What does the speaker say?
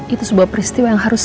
itu sebuah peristiwa yang harus